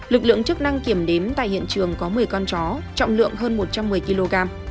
lực lượng chức năng kiểm đếm tại hiện trường có một mươi con chó trọng lượng hơn một trăm một mươi kg